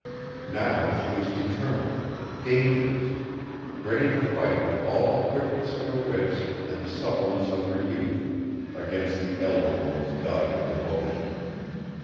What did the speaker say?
Now she was determined, dangerous, ready to fight with all the quickness of her wits and the suppleness of her youth against the elder woman's dogged devotion.